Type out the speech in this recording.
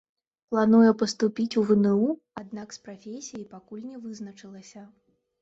Плануе паступіць у вну, аднак з прафесіяй пакуль не вызначылася.